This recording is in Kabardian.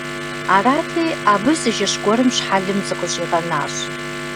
Арати, абы зы жэщ гуэрым щхьэлым зыкъыщӀигъэнащ.